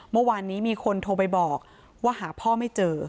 เมื่อวานนี้มีคนโทรไปบอกว่าหาพ่อไม่เจอ